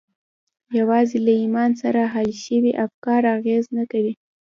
یوازې له ایمان سره حل شوي افکار اغېز نه کوي